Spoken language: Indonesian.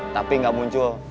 tapi gak muncul